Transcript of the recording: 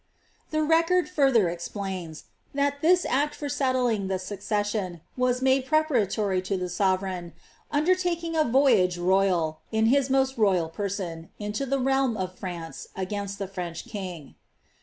The record further explains, that this act for settling the succession^ » made preparatory to the sovereign " undertaking a voyage royal, in most royal person, into the r^m of France against the French g."